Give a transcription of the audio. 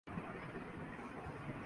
یہ صرف رجسٹرڈ مدارس کا ذکر ہے۔